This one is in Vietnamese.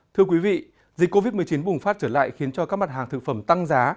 thưa quý vị dịch covid một mươi chín bùng phát trở lại khiến cho các mặt hàng thực phẩm tăng giá